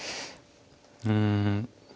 うん。